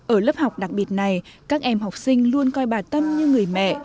ở lớp học đặc biệt này các em học sinh luôn coi bà tâm như người mẹ